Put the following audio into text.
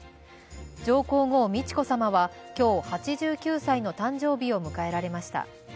上皇后美智子さまは今日８９歳の誕生日を迎えられました。